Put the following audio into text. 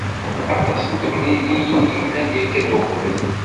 Aṭas n temliliyin i d-yellan yakan uqbel.